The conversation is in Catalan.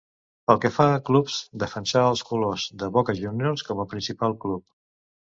Pel que fa a clubs, defensà els colors de Boca Juniors com a principal club.